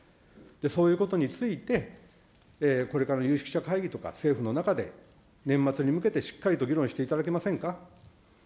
そういうことについて、これからの有識者会議とか政府の中で、年末に向けて、しっかりと議論していただけませんか。